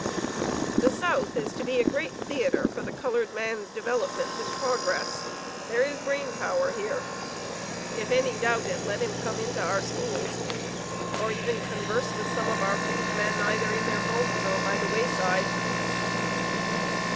The South is to be a great theatre for the colored man's development and progress. There is brain power here. If any doubt it, let him come into our schools, or even converse with some of our Freedmen either in their homes or by the way side."